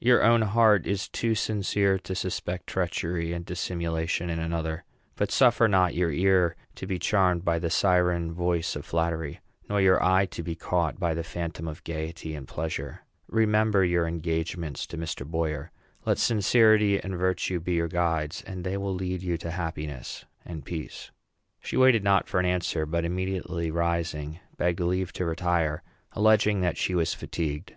Your own heart is too sincere to suspect treachery and dissimulation in another; but suffer not your ear to be charmed by the siren voice of flattery, nor your eye to be caught by the phantom of gayety and pleasure. Remember your engagements to Mr. Boyer. Let sincerity and virtue be your guides, and they will lead you to happiness and peace." She waited not for an answer, but, immediately rising, begged leave to retire, alleging that she was fatigued.